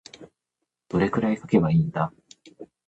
どれくらい書けばいいんだ。